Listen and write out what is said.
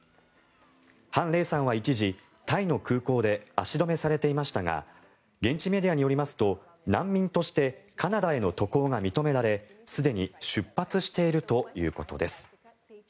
ハンレイさんは一時、タイの空港で足止めされていましたが現地メディアによりますと難民としてカナダへの渡航が認められすでに出発しているということです。